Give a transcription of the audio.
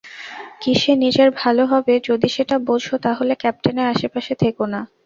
কীসে নিজের ভালো হবে যদি সেটা বোঝো, তাহলে ক্যাপ্টেনের আশেপাশে থেকো না।